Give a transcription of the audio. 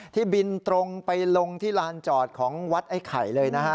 ที่บินตรงไปลงที่ลานจอดของวัดไอ้ไข่เลยนะฮะ